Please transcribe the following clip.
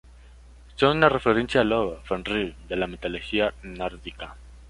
Son una referencia al lobo "Fenrir" de la mitología nórdica.